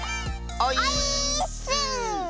オイーッス！